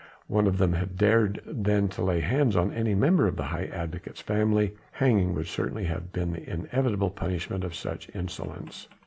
one of them had dared then to lay hands on any member of the High Advocate's family, hanging would certainly have been the inevitable punishment of such insolence.